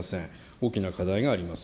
大きな課題があります。